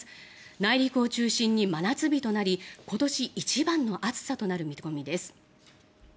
内陸を中心に真夏日となり今年一番の暑さとなる見込みです。